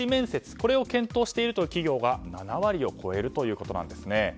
これを検討しているという企業が７割を超えるということなんですね。